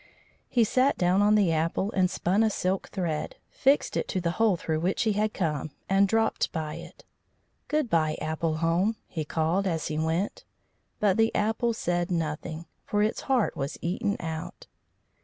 He sat down on the apple and spun a silk thread, fixed it to the hole through which he had come, and dropped by it. "Good bye, apple home," he called as he went; but the apple said nothing, for its heart was eaten out.